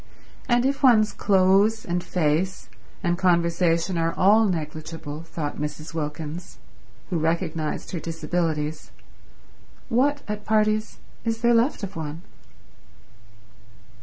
And if one's clothes and face and conversation are all negligible, thought Mrs. Wilkins, who recognized her disabilities, what, at parties, is there left of one?